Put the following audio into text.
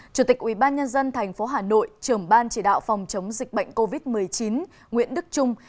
chủ tịch ubnd tp hà nội trưởng ban chỉ đạo phòng chống dịch bệnh covid một mươi chín nguyễn đức trung